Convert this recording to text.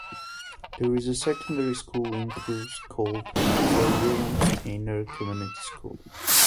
There is a secondary school in Crewe called Sir William Stanier Community School.